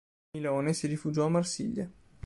Milone si rifugiò a Marsiglia.